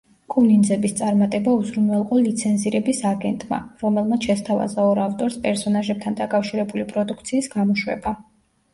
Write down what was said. კუ ნინძების წარმატება უზრუნველყო ლიცენზირების აგენტმა, რომელმაც შესთავაზა ორ ავტორს პერსონაჟებთან დაკავშირებული პროდუქციის გამოშვება.